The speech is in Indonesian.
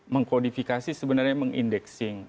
mengkodifikasi sebenarnya mengindeksi